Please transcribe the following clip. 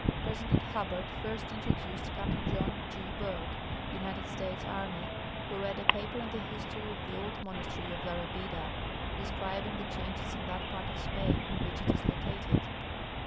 President Hubbard first intro duced Captain John G. Bourke, United States Army, who read a paper on the history of the old monastery of La Rabida, de scribing the changes in that part of Spain in which it i s located.